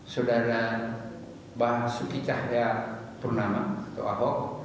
saudara basuki cayapurnama atau ahok